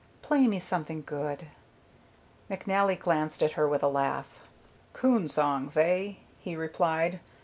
Play me something good." McNally glanced at her with a laugh. "Coon songs, eh?" he replied.